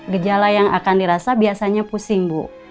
gejala yang akan dirasa biasanya pusing bu